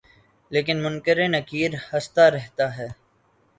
لیکن منکر نکیر ہستہ رہتا ہے